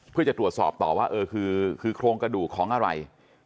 เพื่อจะตรวจสอบต่อว่าเออคือโครงกระดูกของอะไร